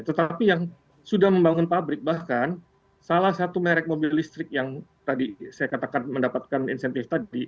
tetapi yang sudah membangun pabrik bahkan salah satu merek mobil listrik yang tadi saya katakan mendapatkan insentif tadi